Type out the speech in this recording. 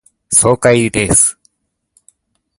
爽快です。